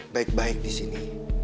baik baik di sini